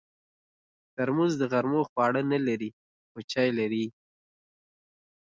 ترموز د غرمو خواړه نه لري، خو چای لري.